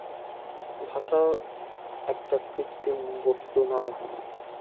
ভাষাও একটা কৃত্রিম বস্তু নয়।